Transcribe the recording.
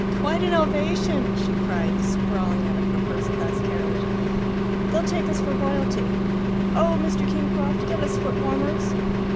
"Quite an ovation," she cried, sprawling out of her first class carriage. "They'll take us for royalty. Oh, Mr. Kingcroft, get us foot warmers."